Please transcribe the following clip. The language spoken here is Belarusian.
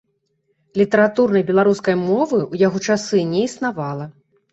Літаратурнай беларускай мовы ў яго часы не існавала.